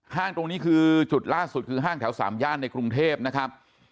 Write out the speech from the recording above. ตรงนี้คือจุดล่าสุดคือห้างแถวสามย่านในกรุงเทพนะครับ